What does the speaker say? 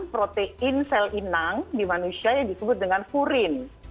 protein sel inang di manusia yang disebut dengan furin